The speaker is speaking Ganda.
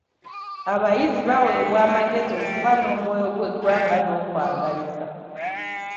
Abayizi baweebwa amagezi okuba n'omwoyo gw'eggwanga n'okwagaliza.